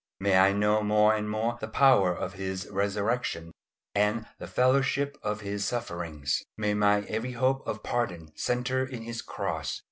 May I know more and more the power of His resurrection and the fellowship of His sufferings. May my every hope of pardon centre in His cross.